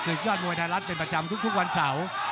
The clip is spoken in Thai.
ยอดมวยไทยรัฐเป็นประจำทุกวันเสาร์